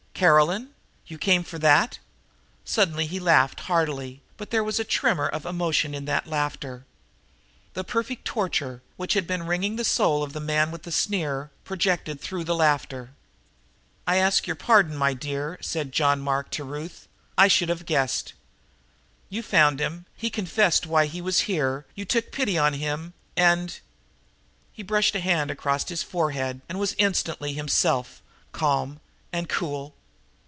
"Caroline? You came for that?" Suddenly he laughed heartily, but there was a tremor of emotion in that laughter. The perfect torture, which had been wringing the soul of the man of the sneer, projected through the laughter. "I ask your pardon, my dear," said John Mark to Ruth. "I should have guessed. You found him; he confessed why he was here; you took pity on him and " He brushed a hand across his forehead and was instantly himself, calm and cool.